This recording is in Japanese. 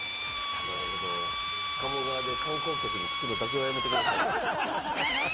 鴨川で観光客に聞くのだけはやめてくださいね。